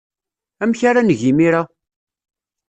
Amek ara neg imir-a?